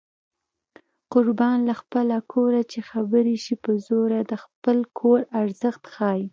قربان له خپله کوره چې خبرې شي په زوره د خپل کور ارزښت ښيي